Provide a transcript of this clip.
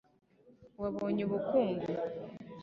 wabonye ubukungu